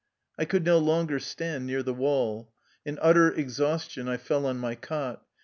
I could no longer stand near the wall. In utter exhaustion I fell on my cot.